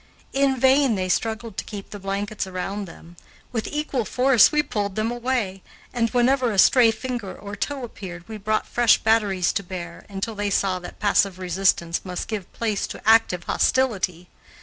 In vain they struggled to keep the blankets around them; with equal force we pulled them away, and, whenever a stray finger or toe appeared, we brought fresh batteries to bear, until they saw that passive resistance must give place to active hostility.